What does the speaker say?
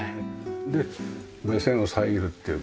で目線を遮るっていうか。